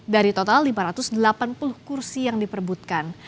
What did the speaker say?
dari total lima ratus delapan puluh kursi yang diperbutkan